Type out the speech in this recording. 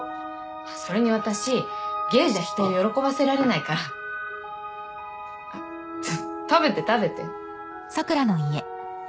それに私芸じゃ人を喜ばせられないかあっちょ食べて食べて。